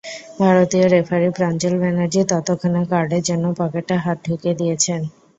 ভারতীয় রেফারি প্রাঞ্জল ব্যানার্জি ততক্ষণে কার্ডের জন্য পকেটে হাত ঢুকিয়ে দিয়েছেন।